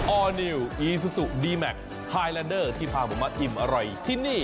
อร์นิวอีซูซูดีแมคไฮแลนเดอร์ที่พาผมมาอิ่มอร่อยที่นี่